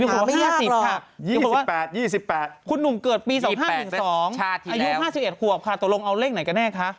หาไม่ยากหรอก๒๘คุณหนุ่มเกิดปี๖๕อายุ๕๑ควบค่ะตัวลงเอาเลขไหนกันแน่